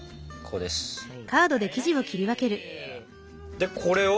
でこれを？